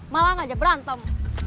malah ngajak berantem